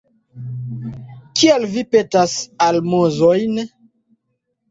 Kial vi petas almozojn?